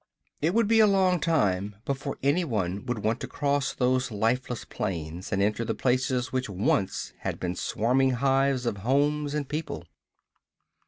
It would be a long time before anybody would want to cross those lifeless plains and enter the places which once had been swarming hives of homes and people.